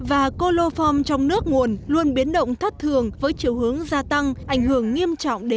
và coloform trong nước nguồn luôn biến động theo các bờ sông